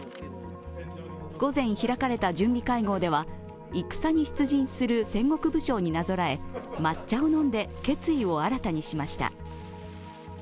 午前、開かれた準備会合では戦に出陣する戦国武将になぞらえ、抹茶を飲んで決意を新たにしました。